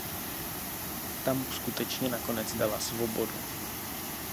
Ta mu skutečně nakonec dala svobodu.